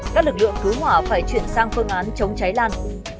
các lực lượng cứu hỏa phải chuyển sang phương án chống cháy lan